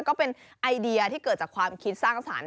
ก็เป็นไอเดียที่เกิดจากความคิดสร้างสรรค์